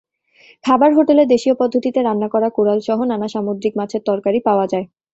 খাবার হোটেলে দেশীয় পদ্ধতিতে রান্না করা কোরালসহ নানা সামুদ্রিক মাছের তরকারি পাওয়া যায়।